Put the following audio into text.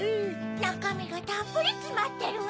なかみがたっぷりつまってるわ。